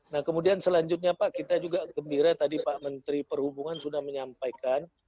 nah kemudian selanjutnya pak kita juga gembira tadi pak menteri perhubungan sudah menyampaikan